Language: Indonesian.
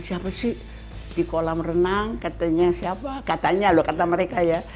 siapa sih di kolam renang katanya siapa katanya loh kata mereka ya